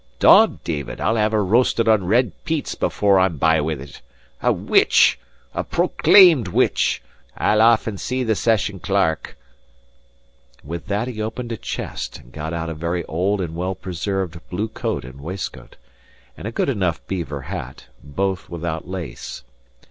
* Dod, David, I'll have her roasted on red peats before I'm by with it! A witch a proclaimed witch! I'll aff and see the session clerk." * Sold up. And with that he opened a chest, and got out a very old and well preserved blue coat and waistcoat, and a good enough beaver hat, both without lace.